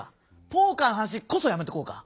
ポーカーの話こそやめとこうか。